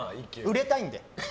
売れたいんで。